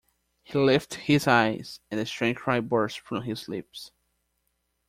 He lifted his eyes, and a strange cry burst from his lips.